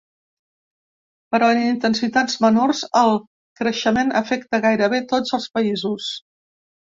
Però en intensitats menors, el creixement afecta gairebé tots els països.